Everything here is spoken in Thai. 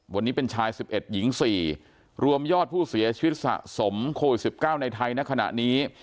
วันนี้เป็นชาย๑๑หญิง๔รวมยอดผู้เสียชีวิตสะสมโควิด๑๙ในไทยณขณะนี้